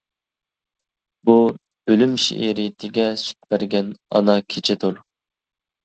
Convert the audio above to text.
بۇ ئۆلۈم شېئىرىيىتىگە سۈت بەرگەن ئانا كېچىدۇر.